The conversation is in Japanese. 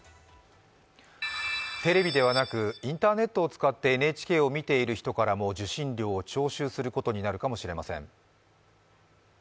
テレビではなくインターネットを使ってＮＨＫを見ている人からも受信料を徴収することになるかもしれません。